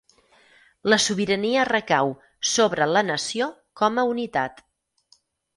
La sobirania recau sobre la Nació com a unitat.